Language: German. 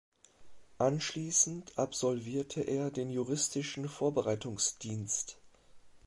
Anschließend absolvierte er den juristischen Vorbereitungsdienst.